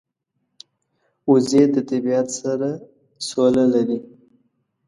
وزې د طبیعت سره سوله لري